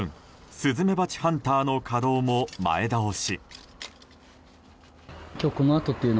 スズメバチハンターの稼働も前倒し。